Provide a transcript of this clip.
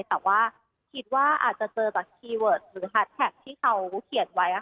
แต่ว่าคิดว่าอาจจะเจอจากคีย์เวิร์ดหรือแฮดแท็กที่เขาเขียนไว้